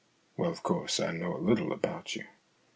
" Well, of course, I know a little about you.